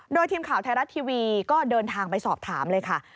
โดยทีมข่าวไทยรัฐทีวีก็เดินทางไปสอบถามเลยค่ะ